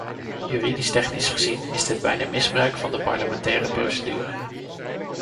Juridisch-technisch gezien is dit bijna misbruik van de parlementaire procedure.